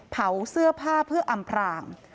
เผาเสื้อผ้าเพื่ออำพราง